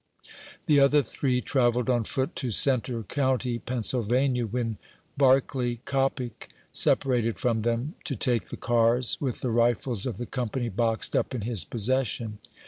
The other three trav elled on foot to Centre County, Pennsylvania, when Barclay Coppie separated from them, to take the cars, with the rifles of the company boxed tip in his possession.